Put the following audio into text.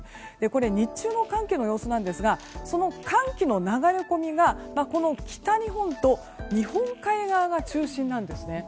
これ、日中の寒気の様子なんですがその寒気の流れ込みが、北日本と日本海側が中心なんですね。